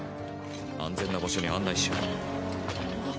安全な場所に案内しよう。